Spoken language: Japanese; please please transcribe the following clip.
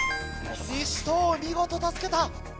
西頭見事助けた。